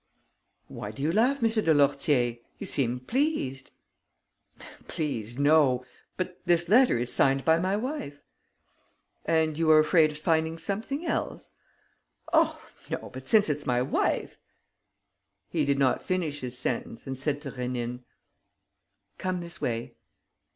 "Why do you laugh, M. de Lourtier? You seem pleased." "Pleased, no. But this letter is signed by my wife." "And you were afraid of finding something else?" "Oh no! But since it's my wife...." He did not finish his sentence and said to Rénine: "Come this way."